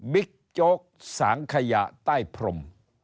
บิ๊กโยกสางขยะใต้พรม